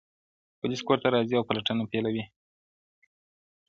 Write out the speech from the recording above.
پوليس کور ته راځي او پلټنه پيلوي ژر,